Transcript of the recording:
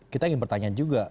kita ingin bertanya juga